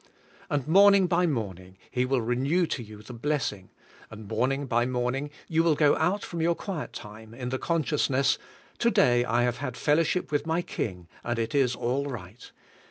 And morning by morning He will renew to you the blessing, and morning by morning you will go out from your quiet time in the consciousness, "To day I have had fellowship with my King, and it is all right."